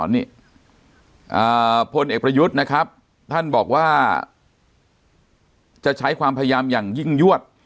นี่พลเอกประยุทธ์นะครับท่านบอกว่าจะใช้ความพยายามอย่างยิ่งยวด